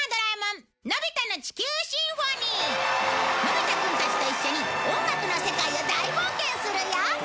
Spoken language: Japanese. のび太くんたちと一緒に音楽の世界を大冒険するよ！